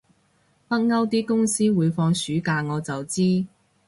北歐啲公司會放暑假我就知